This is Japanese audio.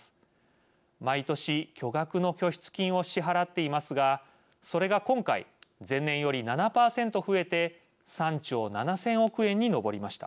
毎年巨額の拠出金を支払っていますがそれが今回前年より７％増えて３兆７，０００億円に上りました。